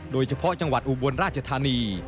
โดยเฉพาะจังหวัดอุบลราชธานี